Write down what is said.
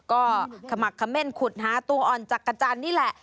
ก็ขมักคางเมฅขุดหาตัวอ่อนจักรฯนี่แหละ